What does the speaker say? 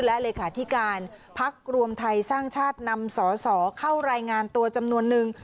และเลขาธิการพักรวมไทยสร้างชาตินำสอสอเข้ารายงานตัวจำนวนนึง